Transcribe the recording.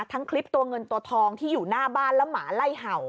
คลิปตัวเงินตัวทองที่อยู่หน้าบ้านแล้วหมาไล่เห่า